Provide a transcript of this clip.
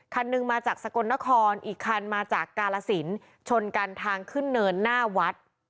คันหนึ่งมาจากสกลนครอีกคันมาจากกาลสินชนกันทางขึ้นเนินหน้าวัด